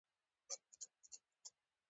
له بلې خوا